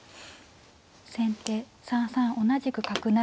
先手３三同じく角成。